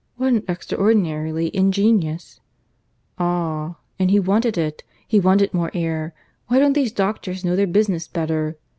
What an extraordinarily ingenious ... Ah! and he wanted it. ... He wanted more air. ... Why don't these doctors know their business better?